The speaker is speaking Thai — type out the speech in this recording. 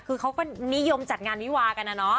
คือเขาก็นิยมจัดงานวิวากันนะเนาะ